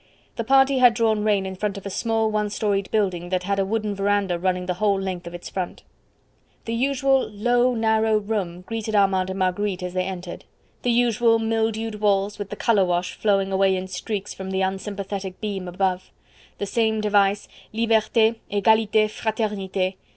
The party had drawn rein in front of a small one storied building that had a wooden verandah running the whole length of its front. The usual low narrow room greeted Armand and Marguerite as they entered; the usual mildewed walls, with the colour wash flowing away in streaks from the unsympathetic beam above; the same device, "Liberte, Egalite, Fraternite!"